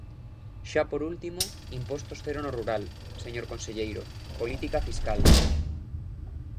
Xa por último, impostos cero no rural, señor conselleiro, política fiscal.